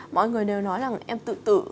mọi người đều nói là em tự tự